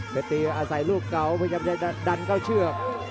เป็นตีอาศัยลูกเก่าพยายามจะดันเข้าเชือก